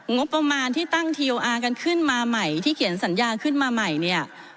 งบประมาณที่ตั้งทีโออาร์กันขึ้นมาใหม่ที่เขียนสัญญาขึ้นมาใหม่เนี่ย